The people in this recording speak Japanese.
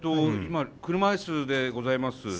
今車椅子でございます。